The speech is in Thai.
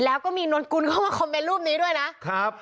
แล้วก็มีนนกุลเข้ามาคอมเมนต์รูปนี้ด้วยนะครับ